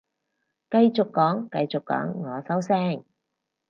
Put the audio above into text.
繼續講繼續講，我收聲